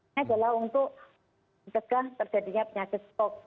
ini adalah untuk mencegah terjadinya penyakit stok